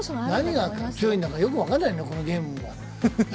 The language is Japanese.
何が強いんだかよく分からないね、このゲームは。